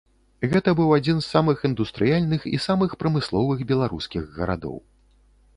Гэта быў адзін з самых індустрыяльных і самых прамысловых беларускіх гарадоў.